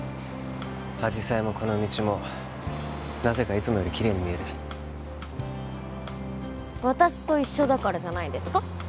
あじさいもこの道もなぜかいつもよりキレイに見える私と一緒だからじゃないですか？